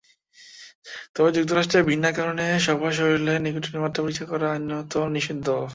তবে যুক্তরাষ্ট্রে বিনা কারণে সবার শরীরে নিকোটিনের মাত্রা পরীক্ষা করা আইনত নিষিদ্ধ।